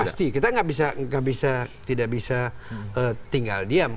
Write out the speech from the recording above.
pasti kita nggak bisa tidak bisa tinggal diam